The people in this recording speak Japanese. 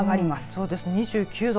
そうですね、２９度。